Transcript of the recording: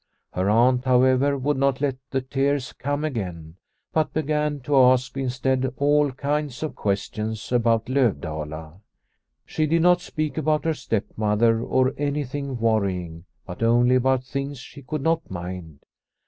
Her aunt, however, would not let the tears come again, but began to ask instead all kinds of questions about Lovdala. She did not speak about her stepmother or anything worry ing, but only about things she could not mind.